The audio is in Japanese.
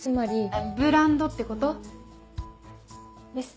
ブランドってこと？です